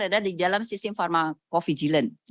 adalah di dalam sistem pharmacovigilance